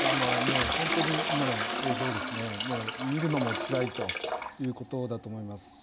もう本当に今の映像を見るのもつらいということだと思います。